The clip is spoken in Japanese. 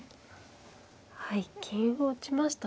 はい金を打ちましたね。